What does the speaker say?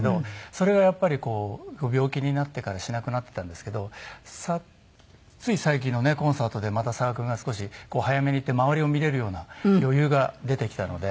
それがやっぱりこう病気になってからしなくなっていたんですけどつい最近のねコンサートでまた佐賀君が少し早めに行って周りを見れるような余裕が出てきたので。